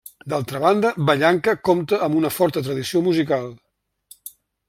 D'altra banda, Vallanca compta amb una forta tradició musical.